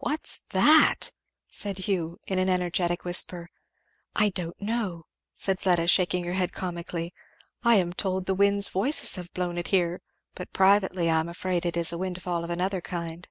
"What's that?" said Hugh in an energetic whisper. "I don't know!" said Fleda, shaking her head comically; "I am told 'The wind's voices' have blown it here, but privately I am afraid it is a windfall of another kind."